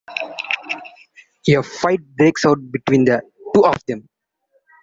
A fight breaks out between the two of them.